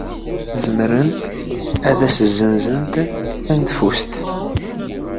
Zemrent ad as-aznent taneḍfust?